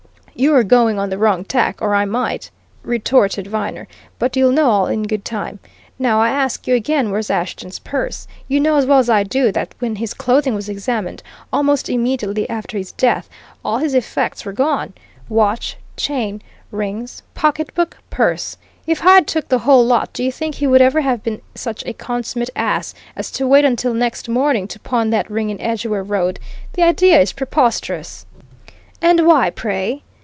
"You're going on the wrong tack, or I might," retorted Viner. "But you'll know all in good time. Now, I ask you again where's Ashton's purse? You know as well as I do that when his clothing was examined, almost immediately after his death, all his effects were gone watch, chain, rings, pocketbook, purse. If Hyde took the whole lot, do you think he would ever have been such a consummate ass as to wait until next morning to pawn that ring in Edgware Road? The idea is preposterous!" "And why, pray?"